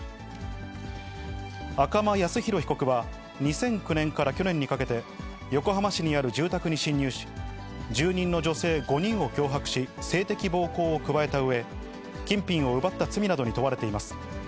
赤間靖浩被告は、２００９年から去年にかけて、横浜市にある住宅に侵入し、住人の女性５人を脅迫し、性的暴行を加えたうえ、金品を奪った罪などに問われています。